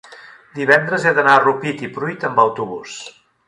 divendres he d'anar a Rupit i Pruit amb autobús.